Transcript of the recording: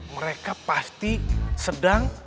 mereka pasti sedang